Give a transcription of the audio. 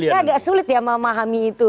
kita agak sulit ya memahami itu